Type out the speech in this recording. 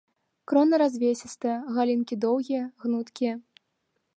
Крона развесістая, галінкі доўгія, гнуткія.